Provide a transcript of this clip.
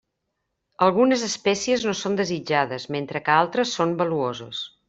Algunes espècies no són desitjades, mentre que altres són valuoses.